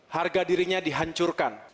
harga dirinya dihancurkan